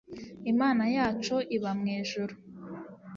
Imana yacu iba mu ijuru